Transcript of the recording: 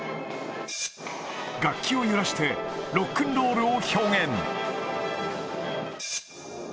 楽器を揺らして、ロックンロールを表現。